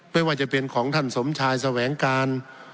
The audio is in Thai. ไม่ว่าจะเป็นของท่านสมชายแสวงการ